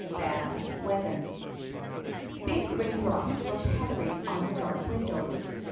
BAD WEATHER BIG raindrops were pattering on the dark windows.